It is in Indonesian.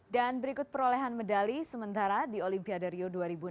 dan berikut perolehan medali sementara di olimpiade rio dua ribu enam belas